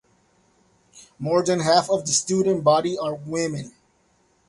More than half of the student body are women.